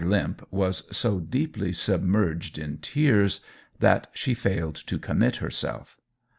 Limp was so deeply submerged in tears that she failed to commit herself.